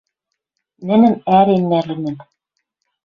Нӹнӹм ӓрен нӓлӹнӹт